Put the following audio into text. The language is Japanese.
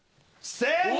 正解！